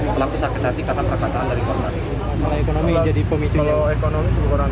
pelaku sakit hati karena perkataan dari korban masalah ekonomi jadi pemicunya orang